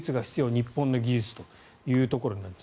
日本の技術というところになります。